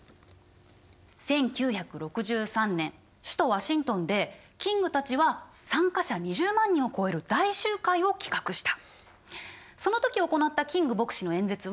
１９６３年首都ワシントンでキングたちは参加者２０万人を超える大集会を企画した。